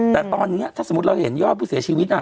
แต่ตอนนี้ถ้าสมมุติเราเห็นยอดผู้เสียชีวิต